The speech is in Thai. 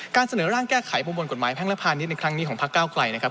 การเสนอร่างแก้ไขภูมิบนกฎหมายแพ่งละพานิดในครั้งนี้ของพระเก้ากลัยนะครับ